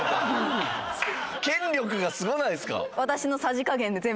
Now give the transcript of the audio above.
権力がすごないですか？